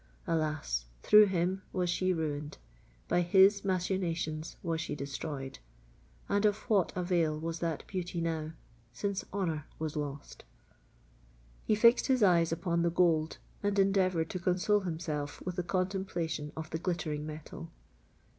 Alas! through him was she ruined—by his machinations was she destroyed! And of what avail was that beauty now, since honour was lost? He fixed his eyes upon the gold, and endeavoured to console himself with the contemplation of the glittering metal.